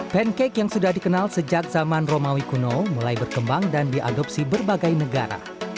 pancake yang sudah dikenal sejak zaman romawi kuno mulai berkembang dan diadopsi berbagai negara